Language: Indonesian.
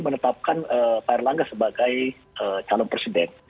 menetapkan payarlangga sebagai calon presiden